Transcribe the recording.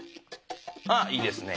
ああいいですね。